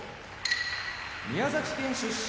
宮崎県出身